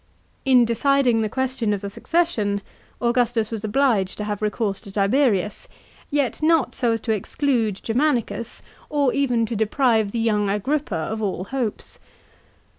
In deciding the question of the succession Augustus was obliged to have recourse to Tiberius, yet not so as to exclude Germanicus, or even to deprive the young Agrippa of all hopes.